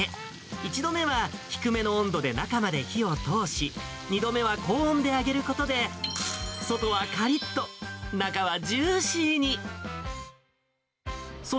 一度目は低めの温度で中まで火を通し、二度目は高温で揚げることで、外はかりっと、中はジューシーに。